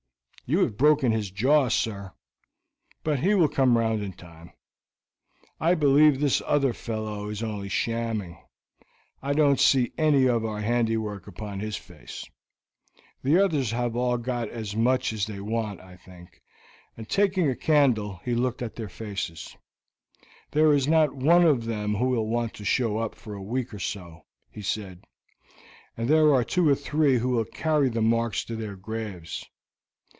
"You have broken his jaw, sir; but he will come round in time. I believe this other fellow is only shamming. I don't see any of our handiwork upon his face. The others have all got as much as they want, I think," and taking a candle he looked at their faces. "There is not one of them who will want to show up for a week or so," he said, "and there are two or three who will carry the marks to their graves.